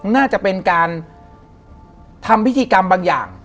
น่าจะเป็นการทำพิธีกรรมบางอย่าง